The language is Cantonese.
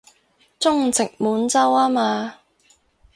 中殖滿洲吖嘛